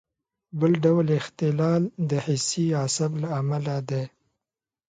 بل ډول اختلال د حسي عصب له امله دی.